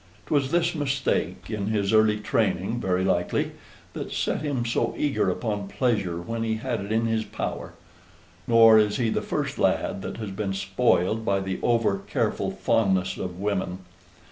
'Twas this mistake in his early training, very likely, that set him so eager upon pleasure when he had it in his power; nor is he the first lad that has been spoiled by the over careful fondness of women.